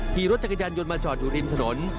ขี่รถจักรยานยนต์มาจอดอยู่ริมถนน